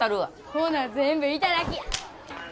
ほな全部頂きや！